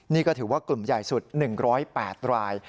นี่ก็ถือว่ากลุ่มใหญ่สุด๑๐๘ราย